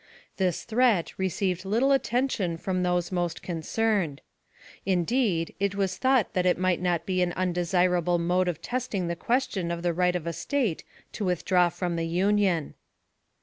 This threat received little attention from those most concerned. Indeed, it was thought that it might not be an undesirable mode of testing the question of the right of a State to withdraw from the Union.